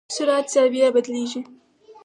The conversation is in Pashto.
سرعت زاویه بدلېږي.